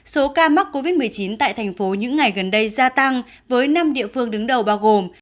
số ca mắc covid một mươi chín tại thành phố những ngày gần đây gia tăng với năm địa phương đứng đầu bao gồm